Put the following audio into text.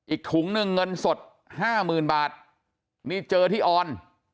อีกถุงนึงเงินสด๕๐๐๐๐บาทนี่เจอที่ออน